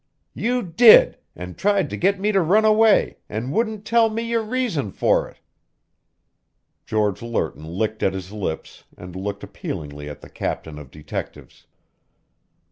"You did and tried to get me to run away, and wouldn't tell me your reason for it." George Lerton licked at his lips and looked appealingly at the captain of detectives.